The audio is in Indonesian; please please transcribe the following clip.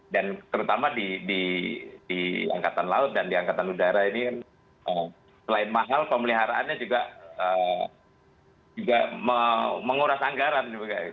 dan terutama di angkatan laut dan di angkatan udara ini kan selain mahal pemeliharaannya juga menguras anggaran